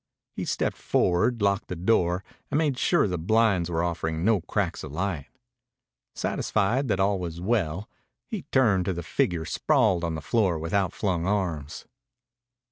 He stepped forward, locked the door, and made sure the blinds were offering no cracks of light. Satisfied that all was well, he turned to the figure sprawled on the floor with outflung arms.